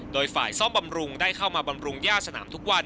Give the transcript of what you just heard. โดยฝ่ายซ่อมบำรุงได้เข้ามาบำรุงย่าสนามทุกวัน